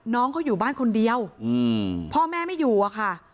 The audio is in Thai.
น้องเขาอยู่บ้านคนเดียวพ่อแม่ไม่อยู่อะค่ะ